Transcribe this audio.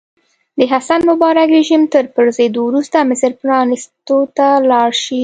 د حسن مبارک رژیم تر پرځېدو وروسته مصر پرانیستو ته لاړ شي.